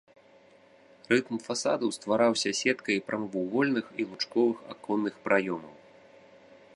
Рытм фасадаў ствараўся сеткай прамавугольных і лучковых аконных праёмаў.